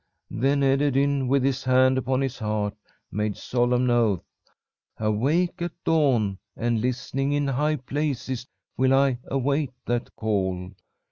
"Then Ederyn, with his hand upon his heart, made solemn oath. 'Awake at dawn and listening in high places will I await that call.